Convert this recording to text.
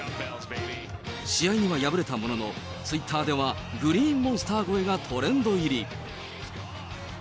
試合には敗れたものの、ツイッターではグリーンモンスター越えがトレンド入り。